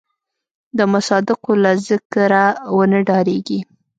د مصادقو له ذکره ونه ډارېږي.